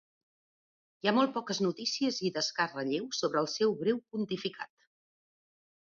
Hi ha molt poques notícies i d'escàs relleu sobre el seu breu pontificat.